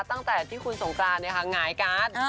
ตั้งแต่ที่คุณสงการเนี่ยค่ะหงายการ์ด